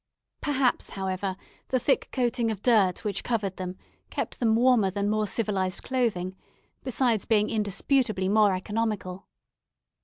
Perhaps, however, the thick coating of dirt which covered them kept them warmer than more civilized clothing, besides being indisputably more economical.